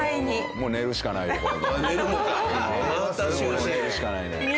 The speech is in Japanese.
もう寝るしかないね。